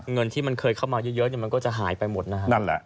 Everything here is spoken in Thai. เงินที่มันเคยเข้ามาเยอะมันก็จะหายไปหมดนะครับ